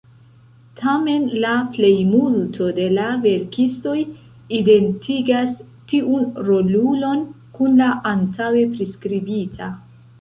Tamen, la plejmulto de la verkistoj identigas tiun rolulon kun la antaŭe priskribita.